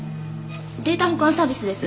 データ保管サービスです。